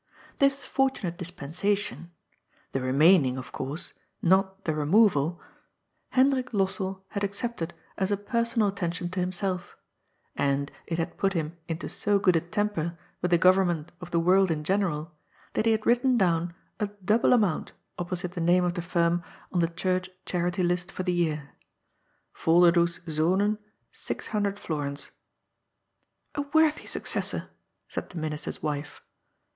This fortunate dispensation — the remaining, of course, not the removal — Hendrik Lossell had accepted as a personal attention to himself, and it had put him into so good a temper with the government of the world in general that he had written down a double amount opposite the name of the firm on the Church charity list for the year —" Volderdoes Zonen, six hundred fiorins." " A worthy suc cessor !" said the minister's wife.